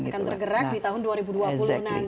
akan tergerak di tahun dua ribu dua puluh nanti